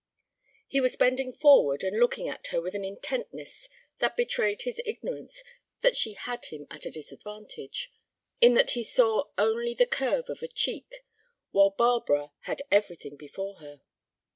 He was bending forward and looking at her with an intentness that betrayed his ignorance that she had him at a disadvantage, in that he saw only the curve of a cheek, while Barbara had everything before her.